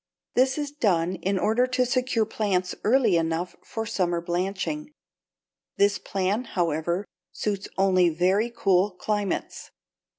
This is done in order to secure plants early enough for summer blanching. This plan, however, suits only very cool climates.